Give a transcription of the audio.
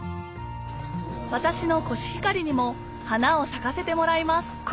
私のコシヒカリにも花を咲かせてもらいます